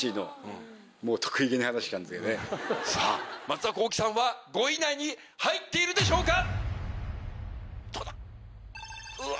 松田幸起さんは５位以内に入っているでしょうか